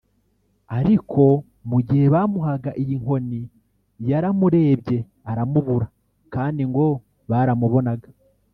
ariko mu gihe bamuhaga iyi nkoni yaramurebye aramubura kandi ngo baramubonaga